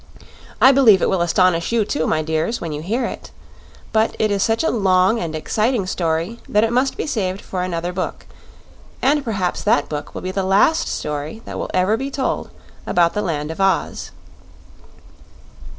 I believe it will astonish you, too, my dears, when you hear it. But it is such a long and exciting story that it must be saved for another book and perhaps that book will be the last story that will ever be told about the Land of Oz.